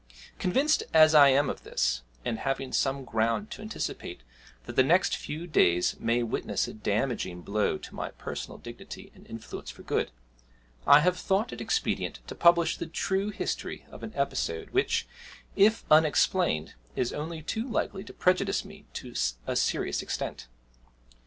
Convinced as I am of this, and having some ground to anticipate that the next few days may witness a damaging blow to my personal dignity and influence for good, I have thought it expedient to publish the true history of an episode which, if unexplained, is only too likely to prejudice me to a serious extent.